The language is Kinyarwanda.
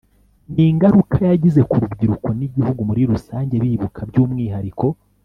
n ingaruka yagize ku rubyiruko n Igihugu muri rusange bibuka by umwihariko